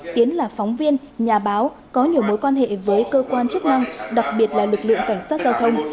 tiến là phóng viên nhà báo có nhiều mối quan hệ với cơ quan chức năng đặc biệt là lực lượng cảnh sát giao thông